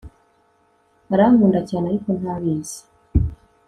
Arankunda cyane ariko ntabizi